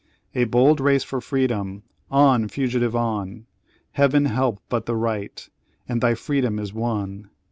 "A bold race for freedom! On, fugitive, on! Heaven help but the right, and thy freedom is won.